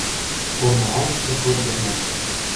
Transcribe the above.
Корныважышкы шот ганьок.